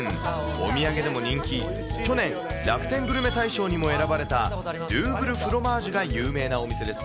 お土産でも人気、去年、楽天グルメ大賞にも選ばれたドゥーブルフロマージュが有名なお店です。